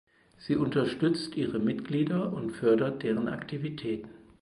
Sie unterstützt ihre Mitglieder und fördert deren Aktivitäten.